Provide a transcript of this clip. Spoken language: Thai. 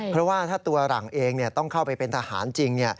เพราะว่าถ้าตัวหลังเองต้องเข้าไปเป็นทหารจริง